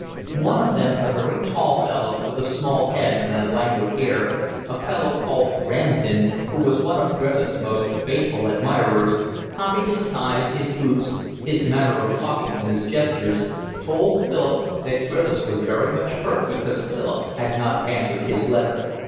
One of them, a very tall fellow, with a small head and a languid air, a youth called Ramsden, who was one of Griffiths' most faithful admirers, copied his ties, his boots, his manner of talking and his gestures, told Philip that Griffiths was very much hurt because Philip had not answered his letter.